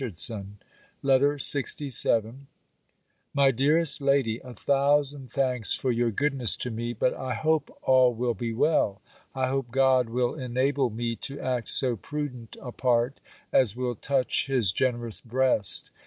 DAVERS LETTER LXVII MY DEAREST LADY, A thousand thanks for your goodness to me; but I hope all will be well. I hope God will enable me to act so prudent a part, as will touch his generous breast.